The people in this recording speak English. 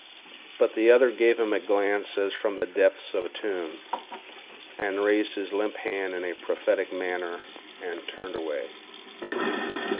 But the other gave him a glance as from the depths of a tomb, and raised his limp hand in a prophetic manner and turned away.